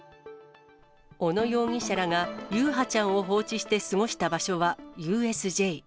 小野容疑者らが優陽ちゃんを放置して過ごした場所は、ＵＳＪ。